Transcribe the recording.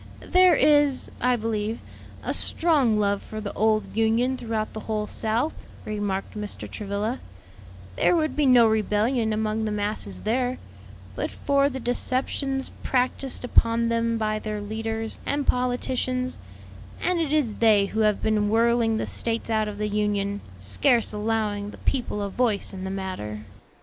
"There is, I believe, a strong love for the old Union throughout the whole South," remarked Mr. Travilla; "there would be no rebellion among the masses there, but for the deceptions practised upon them by their leaders and politicians; and it is they who have been whirling the States out of the Union, scarce allowing the people a voice in the matter."